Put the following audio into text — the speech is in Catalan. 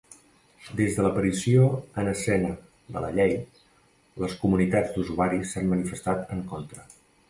Des de l'aparició en escena de la Llei, les comunitats d'usuaris s'han manifestat en contra.